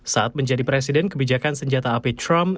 saat menjadi presiden kebijakan senjata api trump